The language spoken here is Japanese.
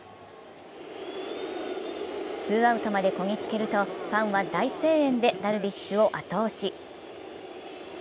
ツーアウトまでこぎつけるとファンは大声援でダルビッシュを後押し。